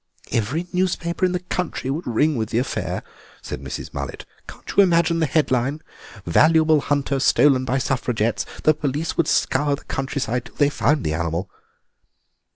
"Every newspaper in the country would ring with the affair," said Mrs. Mullet; "can't you imagine the headline, 'Valuable Hunter Stolen by Suffragettes'? The police would scour the countryside till they found the animal."